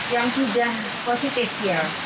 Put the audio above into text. yang sudah positif ya